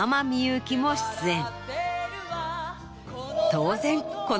当然。